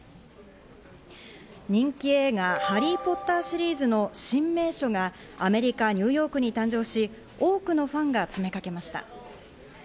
人気映画『ハリー・ポッター』シリーズの新名所がアメリカ・ニューヨークに誕生し、多くのファンが詰めかけました。